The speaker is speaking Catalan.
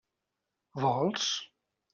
Vols?